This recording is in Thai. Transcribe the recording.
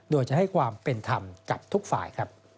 โดยจะให้ความเป็นธรรมกับทุกฝ่าย